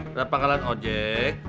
berapa kalian ojek